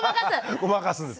ごまかすんです。